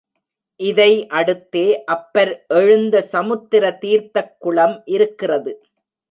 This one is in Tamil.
இதை அடுத்தே அப்பர் எழுந்த சமுத்திர தீர்த்தக் குளம் இருக்கிறது.